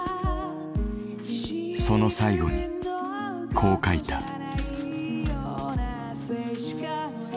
その最後にこう書いた。